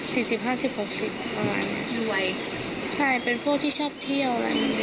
สี่สิบห้าสิบหกสิบประมาณนี้รวยใช่เป็นพวกที่ชอบเที่ยว